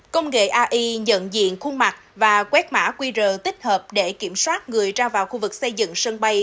công nghệ ai nhận diện khuôn mặt và quét mã qr tích hợp để kiểm soát người ra vào khu vực xây dựng sân bay